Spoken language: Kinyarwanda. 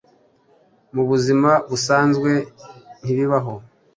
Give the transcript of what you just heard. mu buzima busanzwe ntibibaho